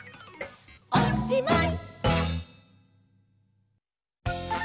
おしまい！